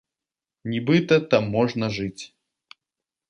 Нібыта, там можна жыць.